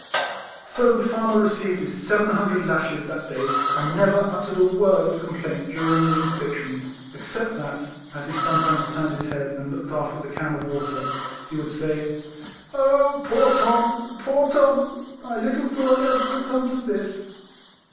So the farmer received his seven hundred lashes that day, and never uttered a word of complaint during the in fliction, except that, as he sometimes turned his head, and looked after the can of water, he would say, " Oh! poor Tom! poor Tom! I little thought ever to come to this